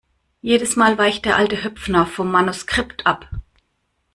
Jedes Mal weicht der alte Höpfner vom Manuskript ab!